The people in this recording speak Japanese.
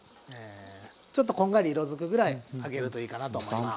ちょっとこんがり色づくぐらい揚げるといいかなと思います。